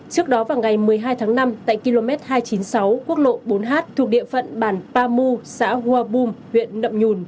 trước đó vào ngày một mươi hai tháng năm tại km hai trăm chín mươi sáu quốc lộ bốn h thuộc địa phận bản paru xã hua bum huyện nậm nhùn